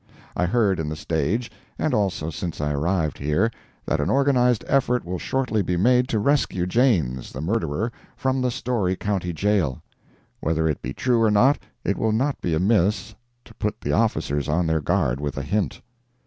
I heard in the stage, and also since I arrived here, that an organized effort will shortly be made to rescue Jaynes, the murderer, from the Storey county jail. Whether it be true or not, it will not be amiss to put the officers on their guard with a hint.